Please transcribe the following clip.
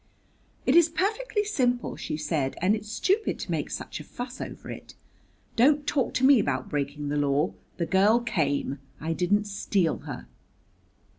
"It is perfectly simple," she said, "and it's stupid to make such a fuss over it. Don't talk to me about breaking the law! The girl came; I didn't steal her."